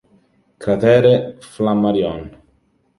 Cratere Flammarion